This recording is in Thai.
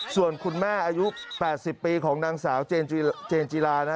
ส่วนคุณแม่อายุ๘๐ปีของนางสาวเจนจิลานะ